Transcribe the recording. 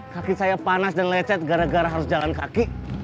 kaki saya panas dan lecet gara gara harus jalan kaki